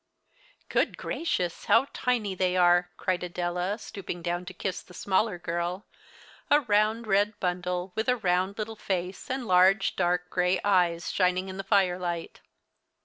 "Good gracious, how tiny they are!" cried Adela, stooping down to kiss the smaller girl, a round red bundle, with a round little face, and large dark gray eyes shining in the firelight.